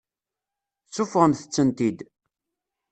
Seffɣemt-tent-id.